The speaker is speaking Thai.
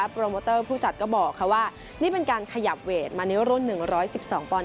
โปรโมเตอร์ผู้จัดก็บอกค่ะว่านี่เป็นการขยับเวทมาในรุ่นหนึ่งร้อยสิบสองปอนด์